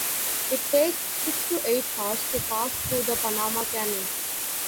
It takes six to eight hours to pass through the Panama Canal.